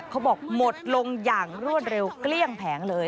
เขาบอกหมดลงอย่างรวดเร็วเกลี้ยงแผงเลย